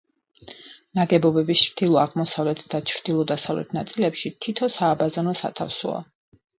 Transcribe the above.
ნაგებობის ჩრდილო-აღმოსავლეთ და ჩრდილო-დასავლეთ ნაწილებში თითო სააბაზანო სათავსოა.